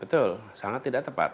betul sangat tidak tepat